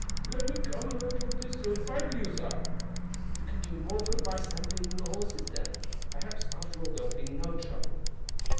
"Let me come and load your pistol and fight with you, sah." "You can do more good by stampeding the horses, Dan. Perhaps, after all, there will be no trouble."